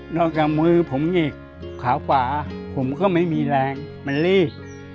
จากมือผมอีกขาขวาผมก็ไม่มีแรงมันรีบ